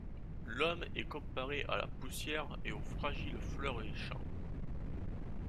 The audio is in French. L'homme est comparé à la poussière et aux fragiles fleurs des champs.